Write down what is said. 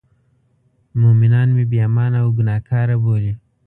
مومنان مې بې ایمانه او ګناه کار بولي.